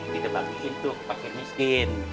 kita bagiin tuh pake meskin